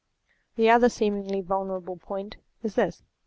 The other seemingly vulnerable point is this.